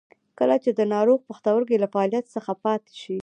کله چې د ناروغ پښتورګي له فعالیت څخه پاتې شي.